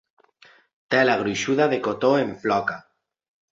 Tela gruixuda de cotó en floca.